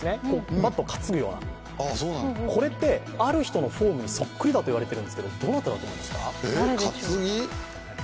バットを担ぐようなこれってある人のフォームにそっくりだと言われてるんですけどどなただと思いますか。